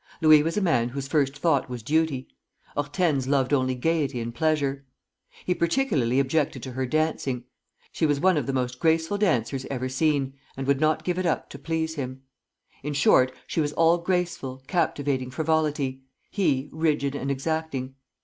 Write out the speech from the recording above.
Louis was a man whose first thought was duty. Hortense loved only gayety and pleasure. He particularly objected to her dancing; she was one of the most graceful dancers ever seen, and would not give it up to please him. In short, she was all graceful, captivating frivolity; he, rigid and exacting.